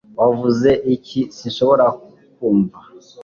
Wavuze iki Sinshobora kukumva